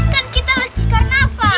kan kita lagi karnaval